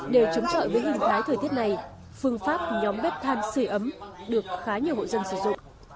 đều chống chọi với hình thái thời tiết này phương pháp nhóm bếp than sửa ấm được khá nhiều hộ dân sử dụng